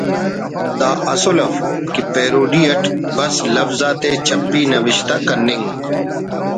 دا اسُل اف کہ parody it بس لوز آتے چپی نوشتہ کننگ